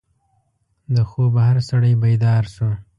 د خوبه هر سړی بیدار شو.